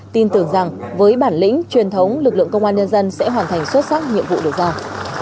tin tưởng rằng với bản lĩnh truyền thống lực lượng công an nhân dân sẽ hoàn thành xuất sắc nhiệm vụ được giao